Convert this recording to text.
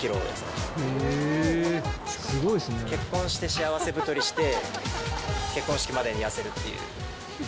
すごいですね。結婚して幸せ太りして、結婚式までに痩せるっていう。